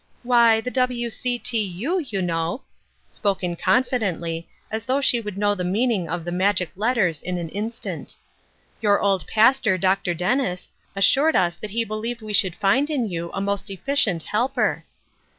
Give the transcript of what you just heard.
" Why, the W. C. T. U., you know," spoken confidently, as though she would know the mean ing of the magic letters in an instant. " Your old pnstor, Dr. Dennis, assured us that he believed we should find in you a most efficient helper."